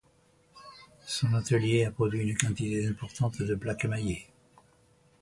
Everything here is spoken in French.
Son atelier a produit une quantité importante de plaques émaillées.